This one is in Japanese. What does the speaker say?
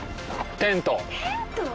テント？